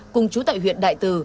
cùng chú tại huyện đại từ